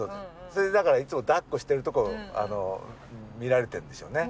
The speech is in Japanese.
それでだからいつも抱っこしてるとこを見られてるんですよね。